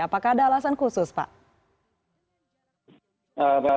apakah ada alasan khusus pak